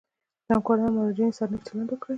له همکارانو او مراجعینو سره نیک چلند وکړي.